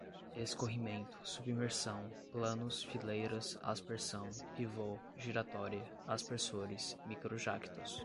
escorrimento, submersão, planos, fileiras, aspersão, pivô, giratória, aspersores, microjactos